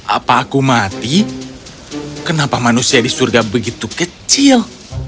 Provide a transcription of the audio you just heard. apa aku mati kenapa manusia di surga begitu kecil